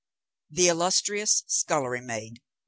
THE ILLUSTRIOUS SCULLERY MAID.